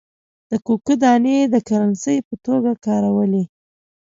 د ککو دانې د کرنسۍ په توګه کارولې.